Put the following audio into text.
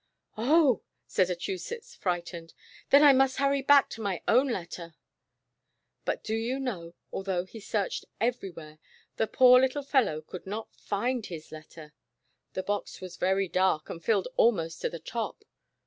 "Oh," said Achusetts frightened, "then I must hurry back to my own letter." But do you know, although he searched every where, the poor little fellow could not find his letter. The box was very dark, and filled almost to the top.